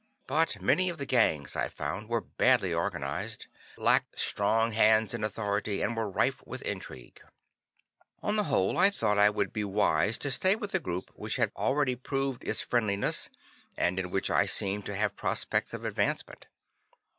But many of the gangs, I found, were badly organized, lacked strong hands in authority, and were rife with intrigue. On the whole, I thought I would be wise to stay with a group which had already proved its friendliness, and in which I seemed to have prospects of advancement.